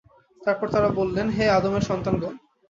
তারপর তারা বললেন, হে আদমের সন্তানগণ!